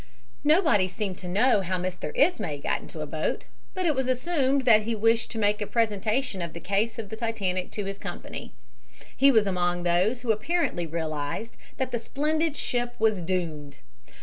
Nobody seemed to know how Mr. Ismay got into a boat, but it was assumed that he wished to make a presentation of the case of the Titanic to his company. He was among those who apparently realized that the splendid ship was doomed.